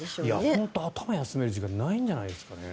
本当に頭を休める時間がないんじゃないんですかね。